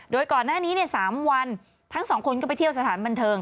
โดยก่อนหน้านี้๓วันทั้งสองคนก็ไปเที่ยวสถานบันเทิง